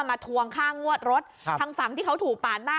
ทวงค่างวดรถทางฝั่งที่เขาถูกปาดหน้า